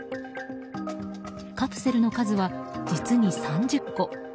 カプセルの数は、実に３０個。